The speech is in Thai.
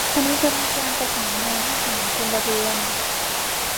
คณะกรรมการประสานงานทหาร-พลเรือน